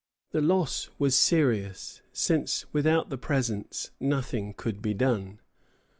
The loss was serious, since without the presents nothing could be done.